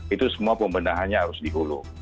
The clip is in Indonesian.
itu semua pembendahannya harus di hulu